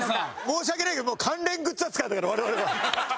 申し訳ないけど関連グッズ扱いだから我々は。